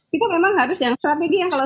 kita memang harus yang strategi yang kalau